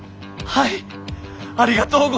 はい。